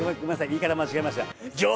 言い方間違えました」